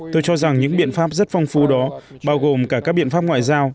tôi cho rằng những biện pháp rất phong phú đó bao gồm cả các biện pháp ngoại giao